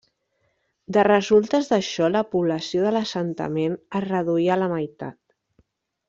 De resultes d'això la població de l'assentament es reduí a la meitat.